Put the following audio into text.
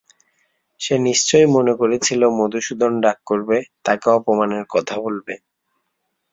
সে নিশ্চয় মনে করেছিল মধুসূদন রাগ করবে, তাকে অপমানের কথা বলবে।